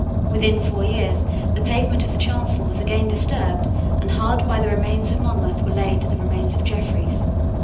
Within four years the pavement of the chancel was again disturbed, and hard by the remains of Monmouth were laid the remains of Jeffreys.